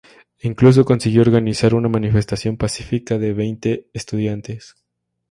Incluso consiguió organizar una manifestación pacífica de veinte estudiantes.